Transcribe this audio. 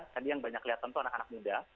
tadi yang banyak kelihatan itu anak anak muda